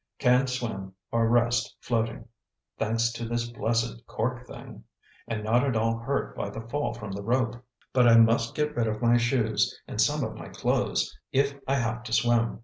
Can swim or rest floating, thanks to this blessed cork thing, and not at all hurt by the fall from the rope. But I must get rid of my shoes and some of my clothes, if I have to swim."